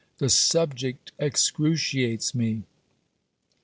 The subject excruciates me."